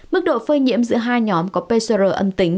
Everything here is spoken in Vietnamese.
mức độ phơi nhiễm giữa hai nhóm có pcr âm tính